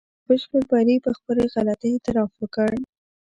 موږ په بشپړ بري پر خپلې غلطۍ اعتراف وکړ.